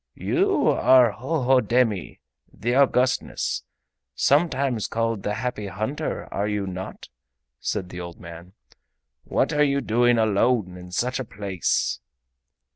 "You are Hohodemi, the Augustness, sometimes called the Happy Hunter, are you not?" asked the old man. "What are you doing alone in such a place?"